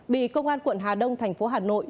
bị công an quận hà đông thành phố hà nội